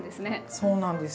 そうなんです。